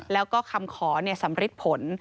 แล้วก็คำขอเนี่ยสำริกผล